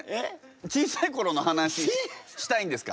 小さいころの話したいんですか？